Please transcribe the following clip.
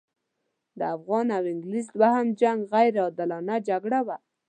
د افغان او انګلیس دوهم جنګ غیر عادلانه جګړه وه.